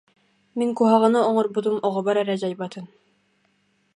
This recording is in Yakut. Мин куһаҕаны оҥорбутум оҕобор эрэ дьайбатын